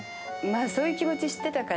そういう気持ち知ってたから、